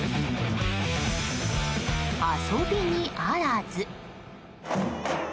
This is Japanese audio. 遊びにあらず。